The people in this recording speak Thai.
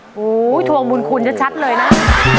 โอ้วถวงมูญคุณชัดเลยนะ